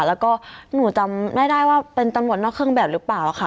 แล้วก็หนูจำไม่ได้ว่าเป็นตำรวจนอกเครื่องแบบหรือเปล่าค่ะ